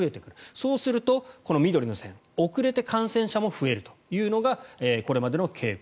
そうすると、緑の線遅れて感染者も増えるというのがこれまでの傾向。